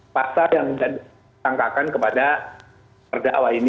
pasal yang ditangkakan kepada perdakwa ini